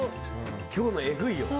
今日の、えぐいよ。